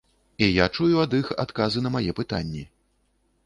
І я чую ад іх адказы на мае пытанні.